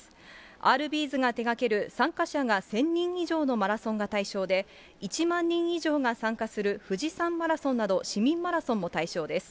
アールビーズが手がける参加者が１０００人以上のマラソンが対象で、１万人以上が参加する富士山マラソンなど市民マラソンも対象です。